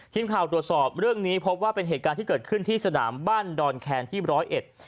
ทีมข่าวตรวจสอบเรื่องนี้พบว่าเป็นเหตุการณ์ที่เกิดขึ้นที่สนามบ้านดอนแคนที่มร้อยเอ็ด